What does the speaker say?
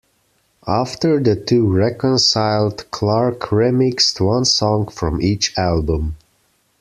After the two reconciled, Clark remixed one song from each album.